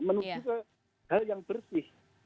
menuju ke hal yang bersih